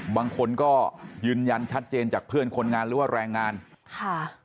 บางคนก็ยืนยันชัดเจนจากเพื่อนคนงานหรือว่าแรงงานค่ะ